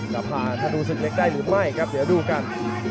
จะผ่านธนูศึกเล็กได้หรือไม่ครับเดี๋ยวดูกัน